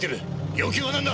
要求は何だ！？